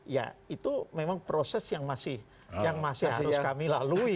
ya itu memang proses yang masih harus kami lalui